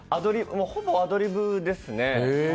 ほぼアドリブですね。